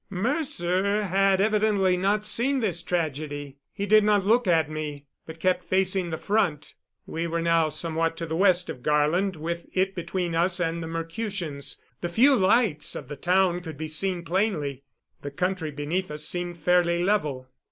Mercer had evidently not seen this tragedy. He did not look at me, but kept facing the front. We were now somewhat to the west of Garland, with it between us and the Mercutians. The few lights of the town could be seen plainly. The country beneath us seemed fairly level.